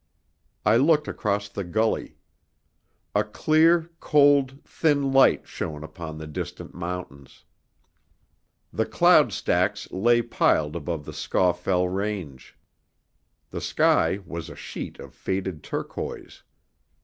I looked across the gully. A clear, cold, thin light shone upon the distant mountains. The cloud stacks lay piled above the Scawfell range. The sky was a sheet of faded turquoise.